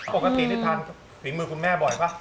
ปกติได้ทานฝีมือคุณแม่บ่อยป่ะ